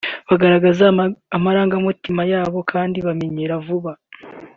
bagaragaza amarangamutima yabo kandi bamenyera vuba